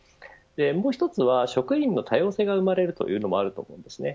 もう１つは職員の多様性が生まれるというのもあると思うんですよね。